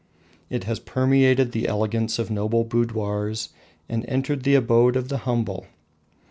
It has permeated the elegance of noble boudoirs, and entered the abode of the humble.